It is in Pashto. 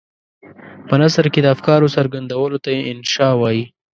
په نثر کې د افکارو څرګندولو ته انشأ وايي.